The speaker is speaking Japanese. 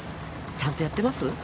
ちゃんとやってます？